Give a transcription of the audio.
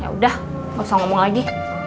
ya udah gak usah ngomong lagi